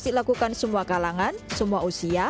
dilakukan semua kalangan semua usia